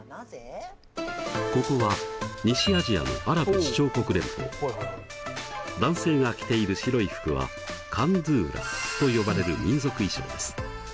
ここは西アジアの男性が着ている白い服はカンドゥーラと呼ばれる民族衣装です。